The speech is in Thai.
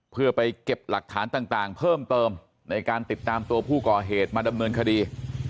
เพื่อไปเก็บหลักฐานต่างเพิ่มเติมในการติดตามตัวผู้ก่อเหตุมาดำเนินคดี